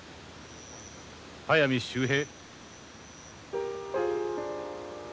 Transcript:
速水秀平？